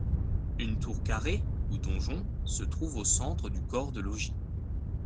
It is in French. Une tour carrée ou donjon, se trouve au centre du corps de logis.